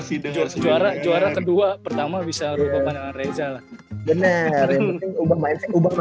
sidur sejarah juara kedua pertama bisa rupanya reza lah bener bener ubah ubah